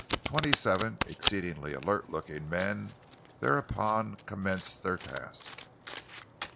Twenty seven exceedingly alert looking men thereupon commenced their task.